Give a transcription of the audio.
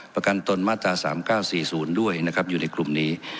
ประกันตนมาตราสามเก้าสี่ศูนย์ด้วยนะครับอยู่ในกลุ่มนี้